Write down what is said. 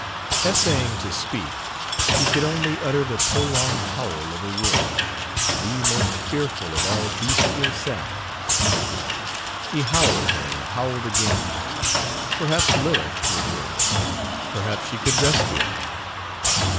Essaying to speak he could only utter the prolonged howl of a wolf the most fearful of all bestial sounds. He howled and howled again perhaps Lilith would hear him! Perhaps she could rescue him?